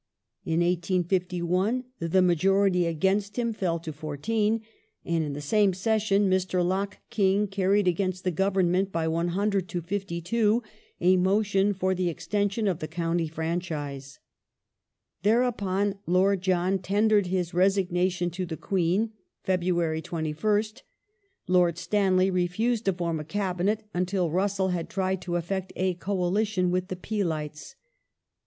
In 1851 the majority against him fell to fourteen, and in the same session Mr. Locke King carried against the Government, by 100 to 52, a motion for the extension of the county franchise. Thereupon Lord John tendered his resignation to the Queen (Feb. 21st). Lord Stanley refused to form a Cabinet until Russell had tried to effect a coalition with the Peelites.